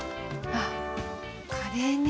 あっカレーね。